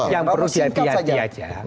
yang perlu hati hati aja